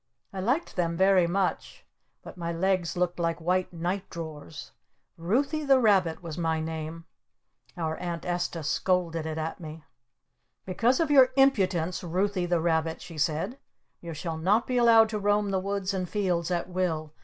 I liked them very much. But my legs looked like white night drawers. "Ruthy the Rabbit" was my name. Our Aunt Esta scolded it at me. "Because of your impudence, Ruthy the Rabbit," she said, "you shall not be allowed to roam the woods and fields at will.